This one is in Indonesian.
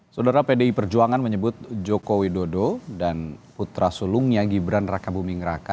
saudara pdi perjuangan menyebut joko widodo dan putra sulungnya gibran raka buming raka